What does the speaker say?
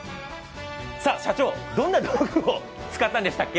どんな道具を使ったんでしたっけ？